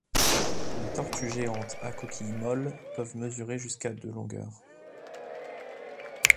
Les tortues géantes à coquille molle peuvent mesurer jusqu'à de longueur.